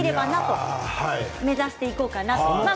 そこを目指していこうかなと。